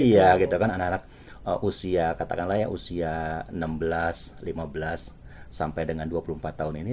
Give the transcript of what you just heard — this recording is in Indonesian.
iya gitu kan anak anak usia katakanlah ya usia enam belas lima belas sampai dengan dua puluh empat tahun ini